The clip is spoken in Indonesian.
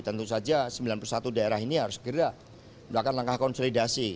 tentu saja sembilan puluh satu daerah ini harus segera melakukan langkah konsolidasi